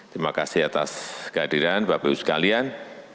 terima kasih atas kehadiran bapak ibu sekalian